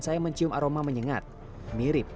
saya mencium aroma menyengat mirip